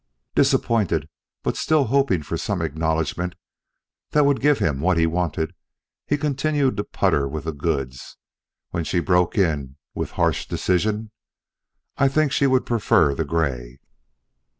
Disappointed, but still hoping for some acknowledgment that would give him what he wanted, he continued to putter with the goods, when she broke in with harsh decision: "I think she would prefer the gray."